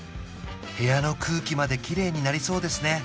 部屋の空気まできれいになりそうですね